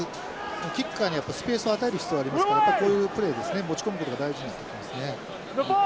キッカーにやっぱりスペースを与える必要ありますからこういうプレーにですね持ち込むことが大事になってきますね。